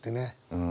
うん。